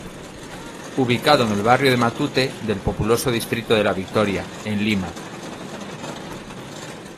Ubicado en el barrio de "Matute", del populoso distrito de La Victoria, en Lima.